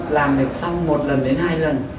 làm được xong một lần đến hai lần